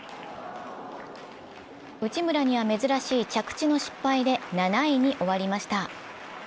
内村には珍しい着地の失敗で７位に終わりました。